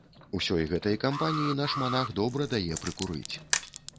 Усёй гэтай кампаніі наш манах добра дае прыкурыць.